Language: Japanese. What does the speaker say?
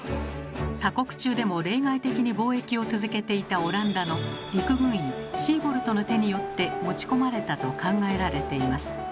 鎖国中でも例外的に貿易を続けていたオランダの陸軍医シーボルトの手によって持ち込まれたと考えられています。